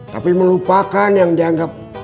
tapi melupakan yang dianggap